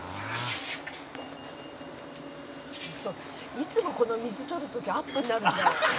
「いつもこの水撮る時アップになるんだよ」